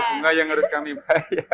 berarti ada bunganya ya